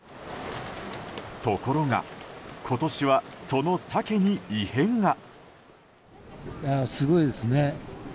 ところが今年は、そのサケに異変が。